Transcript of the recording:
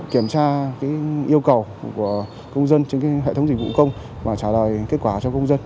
kiểm tra yêu cầu của công dân trên hệ thống dịch vụ công và trả lời kết quả cho công dân